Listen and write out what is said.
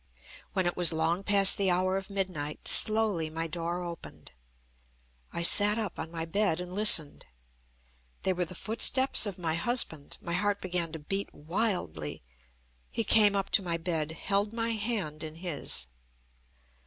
When it was long past the hour of midnight, slowly my door opened. I sat up on my bed, and listened. They were the footsteps of my husband. My heart began to beat wildly. He came up to my bed, held my band in his.